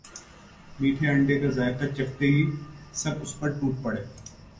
میٹھے انڈے کا ذائقہ چکھتے ہی سب اس پر ٹوٹ پڑے